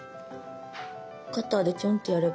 カッターでチョンとやれば。